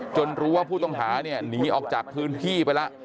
รู้ว่าผู้ต้องหาเนี่ยหนีออกจากพื้นที่ไปแล้ว